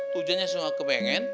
tujuannya sungguh kemengen